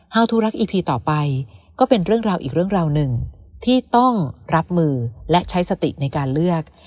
ทูรักอีพีต่อไปก็เป็นเรื่องราวอีกเรื่องราวหนึ่งที่ต้องรับมือและใช้สติในการเลือก